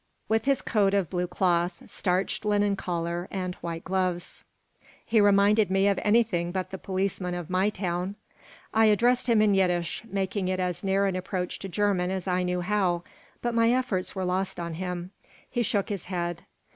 With his coat of blue cloth, starched linen collar, and white gloves, he reminded me of anything but the policemen of my town. I addressed him in Yiddish, making it as near an approach to German as I knew how, but my efforts were lost on him. He shook his head.